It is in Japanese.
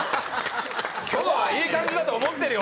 今日はいい感じだと思ってるよ